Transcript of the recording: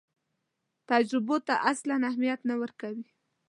تجربو ته اصلاً اهمیت نه ورکوي.